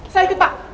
saya ikut pak